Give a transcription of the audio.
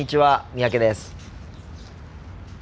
三宅です。